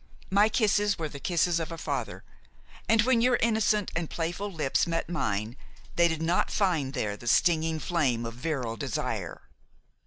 My kisses were the kisses of a father, and when your innocent and playful lips met mine they did not find there the stinging flame of virile desire.